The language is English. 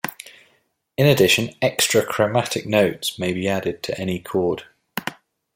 In addition, extra chromatic notes may be added to any chord.